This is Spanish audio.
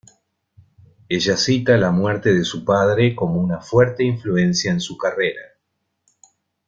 Ella cita la muerte de su padre, como una fuerte influencia en su carrera.